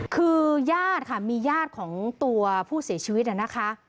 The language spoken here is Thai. คือญาติค่ะมีญาติของตัวผู้เสียชีวิตนะคะ